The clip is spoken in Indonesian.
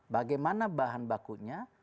bagaimana bahan bakunya